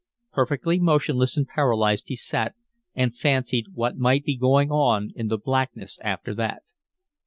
Perfectly motionless and paralyzed he sat and fancied what might be going on in the blackness after that.